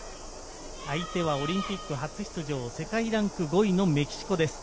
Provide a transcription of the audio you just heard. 相手はオリンピック初出場、世界ランキング５位のメキシコです。